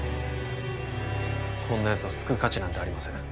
こんなやつを救う価値なんてありません